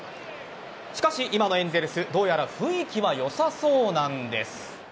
しかし今のエンゼルスどうやら雰囲気はよさそうなんです。